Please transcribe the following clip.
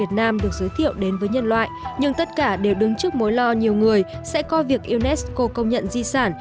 việt nam được giới thiệu đến với nhân loại nhưng tất cả đều đứng trước mối lo nhiều người sẽ coi việc unesco công nhận di sản